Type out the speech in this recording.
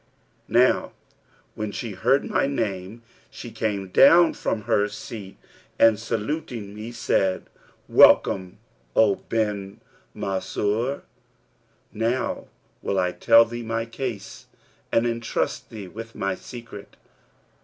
Now when she heard my name, she came down from her seat and saluting me, said, 'Welcome, O Ibn Mansur! Now will I tell thee my case and entrust thee with my secret.